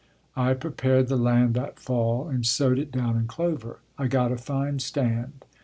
I prepared the land that fall and sowed it down in clover. I got a fine stand.